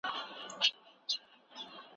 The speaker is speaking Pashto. ويښو ليکوالانو د مظلومو خلګو غږ تل پورته کاوه.